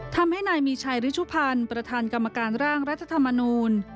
ทำให้นายมีชัยริชุพันธ์ประธานกรรมการร่างรัฐธรรมนูล